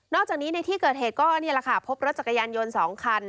อกจากนี้ในที่เกิดเหตุก็นี่แหละค่ะพบรถจักรยานยนต์๒คัน